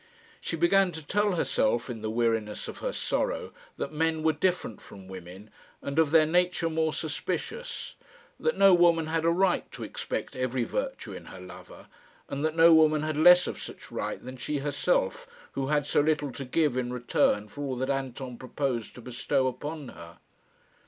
She began to tell herself, in the weariness of her sorrow, that men were different from women, and, of their nature, more suspicious; that no woman had a right to expect every virtue in her lover, and that no woman had less of such right than she herself, who had so little to give in return for all that Anton proposed to bestow upon her.